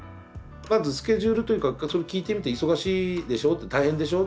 まずスケジュールというかそれ聞いてみて「忙しいでしょ？」って「大変でしょ？